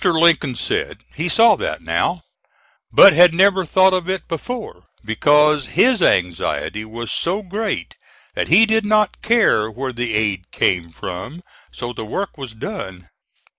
Mr. Lincoln said he saw that now, but had never thought of it before, because his anxiety was so great that he did not care where the aid came from so the work was done.